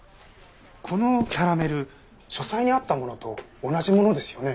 このキャラメル書斎にあったものと同じものですよね？